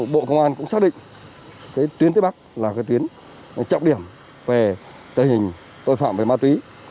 bộ công an cũng xác định tuyến tây bắc là tuyến trọng điểm về tình hình tội phạm về ma túy